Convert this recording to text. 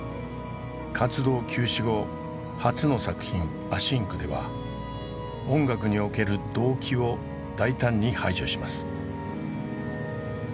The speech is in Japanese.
活動休止後初の作品「ａｓｙｎｃ」では音楽における「同期」を大胆に排除します。